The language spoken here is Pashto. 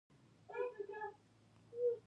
لکه ډبرې، خاورې، شیشه او فلزات موجود نه وي.